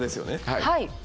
はい。